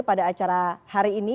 pada acara hari ini